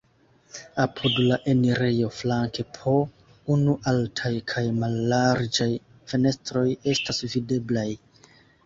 Apud la enirejo flanke po unu altaj kaj mallarĝaj fenestroj estas videblaj.